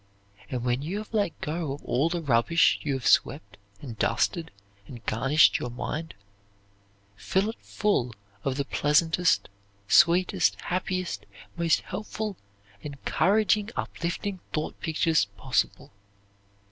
And when you have let go of all the rubbish and have swept and dusted and garnished your mind, fill it full of the pleasantest, sweetest, happiest, most helpful, encouraging, uplifting thought pictures possible.